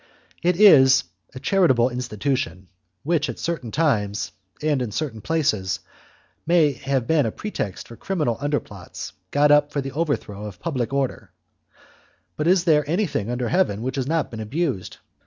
It is a charitable institution, which, at certain times and in certain places, may have been a pretext for criminal underplots got up for the overthrow of public order, but is there anything under heaven that has not been abused?